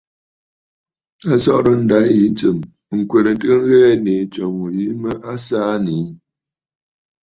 A sɔrə̀ ǹdâ yì ntsɨ̀m ŋ̀kwerə ntɨgə ŋghɛɛ nii tso ŋù a saa nii.